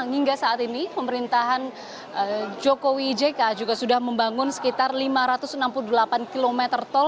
hingga saat ini pemerintahan jokowi jk juga sudah membangun sekitar lima ratus enam puluh delapan km